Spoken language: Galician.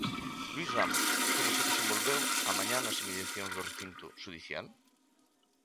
Luís Ramos, como se desenvolveu a mañá nas inmediacións do recinto xudicial?